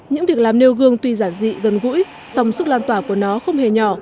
những việc làm nêu gương tuy giản dị gần gũi song sức lan tỏa của nó không hề nhỏ